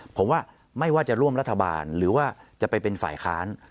ผมว่าไม่ว่าจะร่วมรัฐบาลหรือว่าจะไปเป็นฝ่ายค้าน